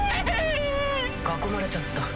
囲まれちゃった。